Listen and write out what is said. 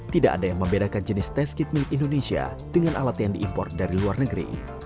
tidak ada yang membedakan jenis test kit milik indonesia dengan alat yang diimpor dari luar negeri